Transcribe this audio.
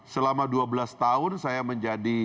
selama dua belas tahun saya menjadi